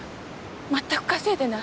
全く稼いでない。